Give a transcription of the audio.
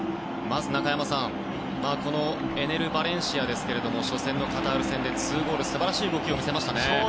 まず、中山さんこのエネル・バレンシアですが初戦のカタール戦で２ゴールと素晴らしい動きを見せましたね。